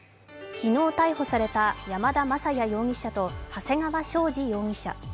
昨日逮捕された山田雅也容疑者と長谷川将司容疑者。